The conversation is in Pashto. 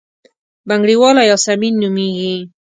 بنګړیواله یاسمین نومېږي.